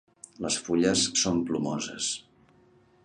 Les fulles són plomoses.